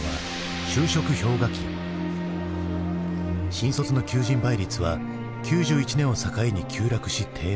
新卒の求人倍率は９１年を境に急落し低迷。